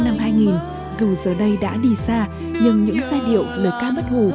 hồ chí minh năm hai nghìn dù giờ đây đã đi xa nhưng những giai điệu lời ca bất hù